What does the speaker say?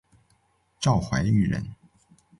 赵怀玉人。